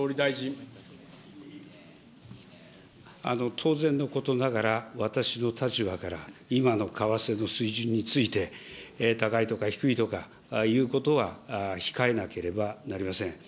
当然のことながら、私の立場から、今の為替の水準について、高いとか低いとか言うことは控えなければなりません。